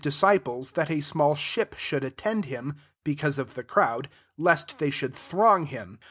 77 ditcb|iea» that a ^mdl ship should attend hioi) because of the crpwd* lest tHej should throQg him.